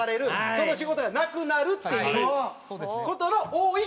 その仕事がなくなるっていう事の多い芸人さんです。